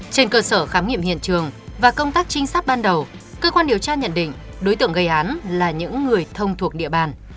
trên cơ sở khám nghiệm hiện trường và công tác trinh sát ban đầu cơ quan điều tra nhận định đối tượng gây án là những người thông thuộc địa bàn